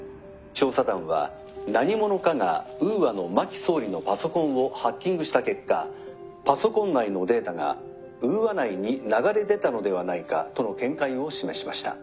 調査団は何者かがウーアの真木総理のパソコンをハッキングした結果パソコン内のデータがウーア内に流れ出たのではないかとの見解を示しました」。